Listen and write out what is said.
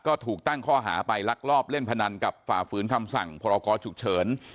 ก็ถูกตั้งข้อหาไปลักลอบเล่นพนันกับฝ่าฝืนคำสั่งพรกรฉุกเฉิน